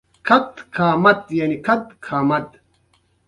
ژبپوهان په نړیواله کچه په دې نظر دي